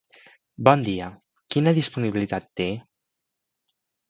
Bon dia, quina disponibilitat té?